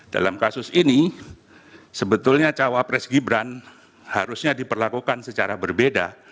dalam kasus ini sebetulnya cawapres gibran harusnya diperlakukan secara berbeda